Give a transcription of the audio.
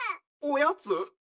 おやつ！？